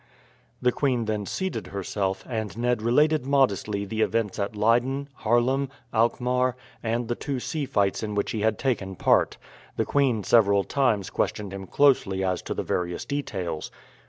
The queen then seated herself, and Ned related modestly the events at Leyden, Haarlem, Alkmaar, and the two sea fights in which he had taken part. The queen several times questioned him closely as to the various details.